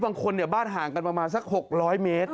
บางคนเนี่ยบ้านห่างกันประมาณสัก๖๐๐เมตร